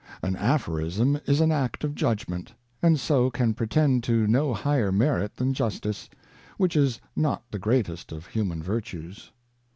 An aphorism is an act of judgement, and so can pretend to no higher merit than justice, which is not the greatest of human virtues.